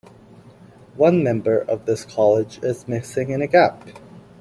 One member of this college is missing in a gap.